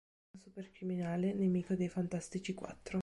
È un supercriminale nemico dei Fantastici Quattro.